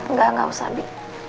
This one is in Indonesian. nggak nggak usah bi